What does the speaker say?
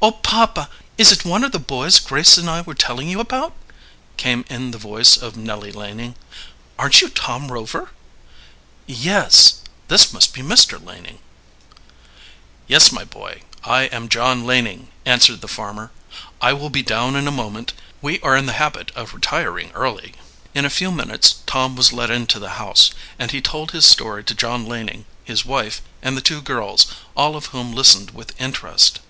"Oh, papa, is it one of the boys Grace and I were telling you about?" came in the voice of Nellie Laning. "Aren't you Tom Rover?" "Yes. This must be Mr. Laning." "Yes, my boy, I am John Laning," answered the farmer. "I will be down in a moment. We are in the habit of retiring early." In a few minutes Tom was let into the house, and he told his story to John Laning, his wife, and the two girls, all of whom listened with interest.